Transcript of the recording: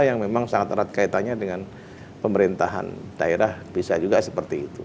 yang memang sangat erat kaitannya dengan pemerintahan daerah bisa juga seperti itu